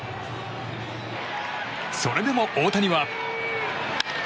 それでも大谷は。